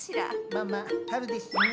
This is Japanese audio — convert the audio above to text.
まあまあ春ですしね。